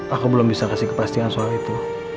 aku belum bisa kasih kepastian soal itu